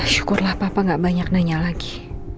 syukurlah papa gak banyak nanya lagi